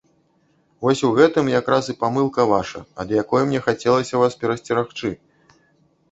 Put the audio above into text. Вось у гэтым якраз і памылка ваша, ад якой мне хацелася вас перасцерагчы.